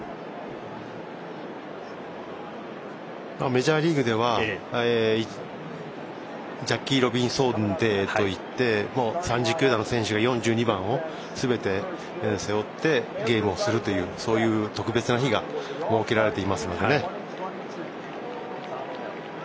メジャーリーグではジャッキー・ロビンソンデーといって３０球団の選手が４２番をすべて背負ってゲームをするというそういう特別な日が設けられていますので。